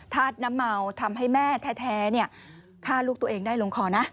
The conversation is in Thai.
ธาตุน้ำเมาทำให้แม่แท้ฆ่าลูกตัวเองได้ลงคอนะ